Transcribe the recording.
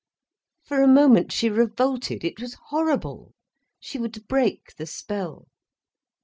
For a moment she revolted, it was horrible. She would break the spell.